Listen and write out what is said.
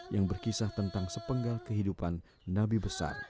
yang berkisah tentang sepenggal kehidupan nabi besar